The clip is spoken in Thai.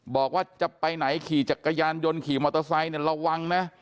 บอกว่าจะไปไหนขี่จักรยานยนต์ขี่มอเตอร์ไซค์เนี่ยระวังนะ